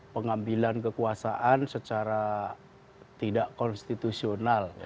pengambilan kekuasaan secara tidak konstitusional